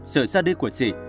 sự ra đi của chị